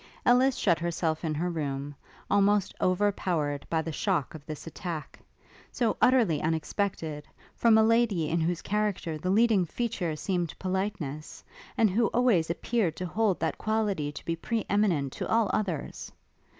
Ellis shut herself in her room, almost overpowered by the shock of this attack, so utterly unexpected, from a lady in whose character the leading feature seemed politeness, and who always appeared to hold that quality to be pre eminent to all others.